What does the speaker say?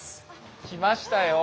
来ましたよ。